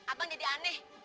abang jadi aneh